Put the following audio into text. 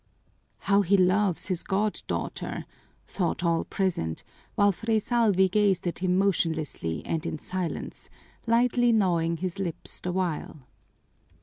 "How he loves his goddaughter!" thought all present, while Fray Salvi gazed at him motionlessly and in silence, lightly gnawing his lips the while.